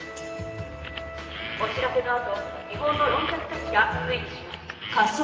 「お知らせのあと日本の論客たちが推理します」